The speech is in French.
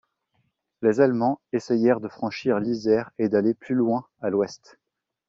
Les Allemands essayèrent de franchir l'Yser et d'aller plus loin à l'ouest.